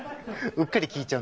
うっかり聴いちゃう。